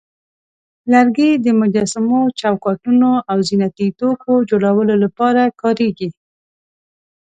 لرګي د مجسمو، چوکاټونو، او زینتي توکو جوړولو لپاره کارېږي.